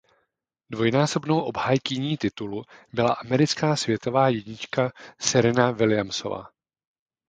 Dvojnásobnou obhájkyní titulu byla americká světová jednička Serena Williamsová.